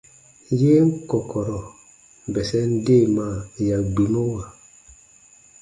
Yen kɔ̀kɔ̀rɔ̀ bɛsɛn deemaa ya gbimɔwa.